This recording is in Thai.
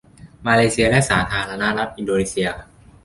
มาเลเซียและสาธารณรัฐอินโดนีเซีย